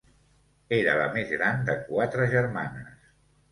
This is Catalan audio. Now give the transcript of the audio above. Era la més gran de quatre germanes.